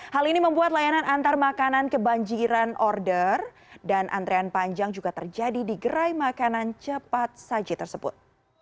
hal ini membuat layanan antar makanan kebanjiran order dan antrean panjang juga terjadi di gerai makanan cepat saji tersebut